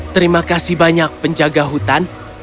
terima kasih banyak penjaga hutan